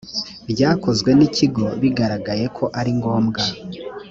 ryakozwe n ikigo bigaragaye ko ari ngombwa